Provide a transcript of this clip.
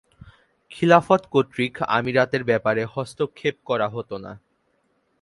খিলাফত কর্তৃক আমিরাতের ব্যাপারে হস্তক্ষেপ করা হত না।